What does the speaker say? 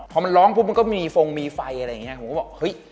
พอมันร้องปุ๊บมันก็มีฟงมีไฟอะไรอย่างนี้ผมก็บอกเฮ้ย